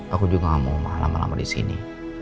aku juga nggak mau malam malam disini